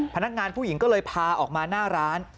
พนักงานผู้หญิงก็เลยพาออกมาหน้าร้าน